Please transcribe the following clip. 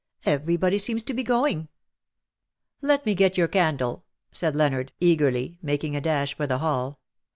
Everybody seems to be going.'"' " Let me get your candle/' said Leonard, eagerly, making a dash for the hall.